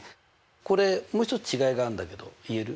これもう一つ違いがあるんだけど言える？